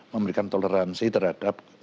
memberikan toleransi terhadap